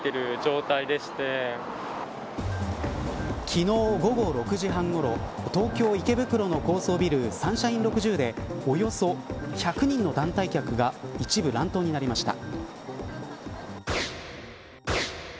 昨日、午後６時半ごろ東京、池袋の高層ビルサンシャイン６０でおよそ１００人の団体客が一部乱闘になりました。